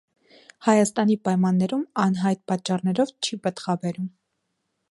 Հայաստանի պայմաններում անհայտ պատճառներով չի պտղաբերում։